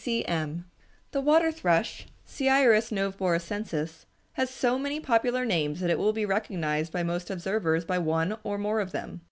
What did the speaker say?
C. C. M. The water thrush (Seiurus noveboracensis) has so many popular names that it will be recognized by most observers by one or more of them.